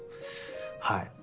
はい。